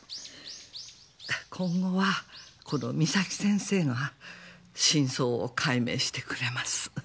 今後はこの岬先生が真相を解明してくれます。